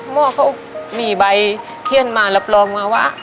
หมอเขามีใบเขี้ยนมารับรองมาว่า